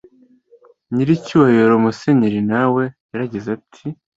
nyiricyubahiro musenyeri nawe yagize ati :